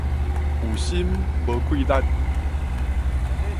有心，無氣力